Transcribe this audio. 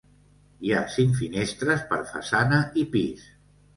Hi ha cinc finestres per façana i pis.